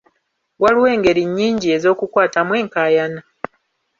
Waliwo engeri nnyingi ez'okukwatamu enkaayana.